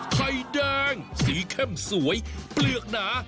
ไข่แดงสีเข้มสวยเปลือกหนา